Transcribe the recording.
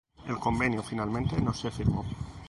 El convenio finalmente no se firmó.